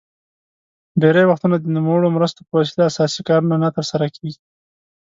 ډیری وختونه د نوموړو مرستو په وسیله اساسي کارونه نه تر سره کیږي.